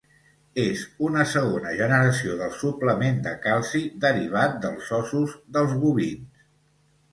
És una segona generació del suplement de calci derivat dels ossos dels bovins.